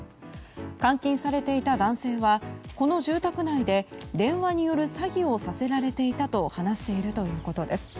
監禁されていた男性はこの住宅内で電話による詐欺をさせられていたと話しているということです。